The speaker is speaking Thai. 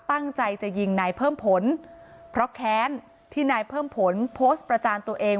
ตั้งใจจะยิงนายเพิ่มผลเพราะแค้นที่นายเพิ่มผลโพสต์ประจานตัวเอง